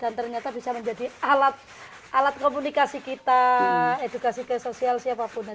dan ternyata bisa menjadi alat komunikasi kita edukasi ke sosial siapapun